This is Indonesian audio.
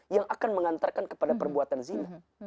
yang akan mengantarkan kepada perbuatan zina